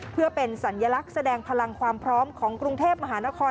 เพื่อเป็นสัญลักษณ์แสดงพลังความพร้อมของกรุงเทพมหานคร